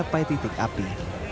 mencapai titik api